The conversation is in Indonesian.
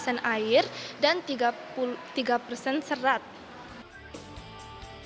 serat larut pada cerataki dapat memperlambat pemotongan